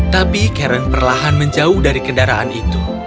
tapi karen perlahan menjauh dari kendaraan itu